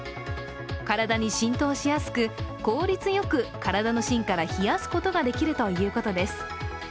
体に浸透しやすく効率よく体の芯から冷やすことができるということです。